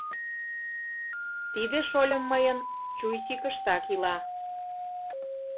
— Тиде — шольым мыйын, Чуйсикыштак ила.